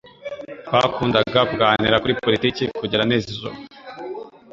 Twakundaga kuganira kuri politiki kugeza nijoro.